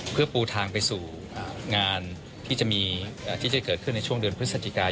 เพื่อปูทางไปสู่งานที่จะเกิดขึ้นในช่วงเดือนพฤศจิกา